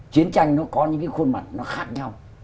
chiến tranh nó có những cái khuôn mặt nó khác nhau